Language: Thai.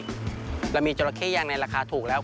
แบบนี้มีจอระเข้ย่างในราคาถูกแล้ว